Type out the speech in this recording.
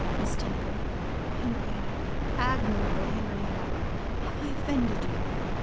Miss Temple, Henrietta, admirable Henrietta, have I offended you?